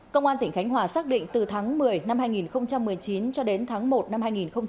công an tỉnh khánh hòa xác định từ tháng một mươi năm hai nghìn một mươi chín cho đến tháng một năm hai nghìn hai mươi